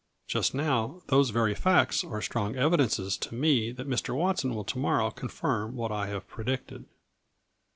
Just now, those very facts are strong evidences to me that Mr. Watson will to morrow confirm what I have predicted.